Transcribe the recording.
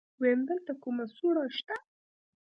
ويم دلته کومه سوړه شته.